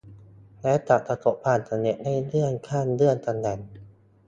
และจะประสบความสำเร็จได้เลื่อนขั้นเลื่อนตำแหน่ง